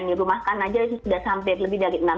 dirumahkan aja sudah sampai lebih dari enam juta